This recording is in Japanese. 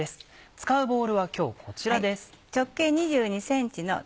使うボウルは今日こちらです。